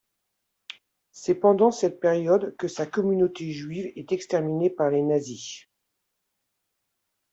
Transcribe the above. C'est pendant cette période que sa communauté juive est exterminée par les nazis.